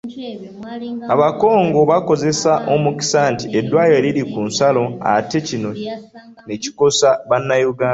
Abakongo bakozesa omukisa nti eddwaliro liri ku nsalo, ate kino ne kikosa Bannayuganda